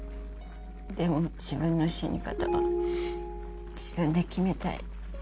でも自分の死に方は自分で決めたい。